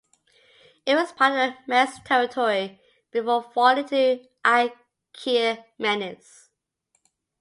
It was part of the Medes territory before falling to the Achaemenids.